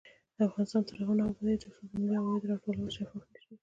افغانستان تر هغو نه ابادیږي، ترڅو د ملي عوایدو راټولول شفاف نشي.